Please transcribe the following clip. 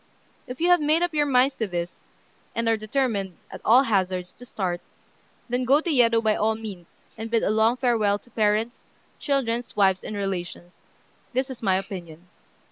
If you have made up your minds to this, and are determined, at all hazards, to start, then go to Yedo by all means, and bid a long farewell to parents, children, wives, and relations. This is my opinion."